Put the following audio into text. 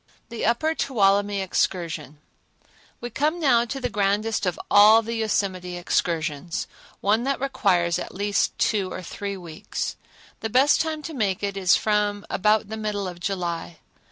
The Upper Tuolumne Excursion We come now to the grandest of all the Yosemite excursions, one that requires at least two or three weeks. The best time to make it is from about the middle of July.